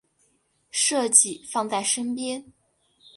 设计放在身边